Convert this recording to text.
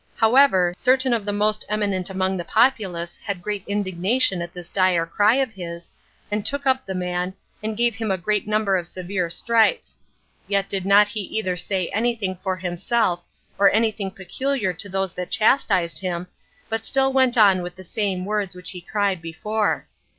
However, certain of the most eminent among the populace had great indignation at this dire cry of his, and took up the man, and gave him a great number of severe stripes; yet did not he either say any thing for himself, or any thing peculiar to those that chastised him, but still went on with the same words which he cried before.